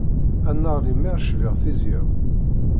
Annaɣ lemmer cbiɣ tizya-w.